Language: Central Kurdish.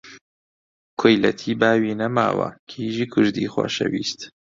کۆیلەتی باوی نەماوە، کیژی کوردی خۆشەویست!